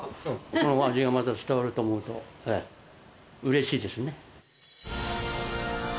この味がまた伝わると思うと、うれしいですね。